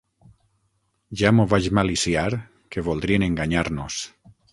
Ja m'ho vaig maliciar, que voldrien enganyar-nos!